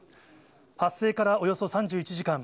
発生からおよそ３１時間。